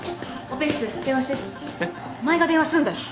お前が電話すんだよ！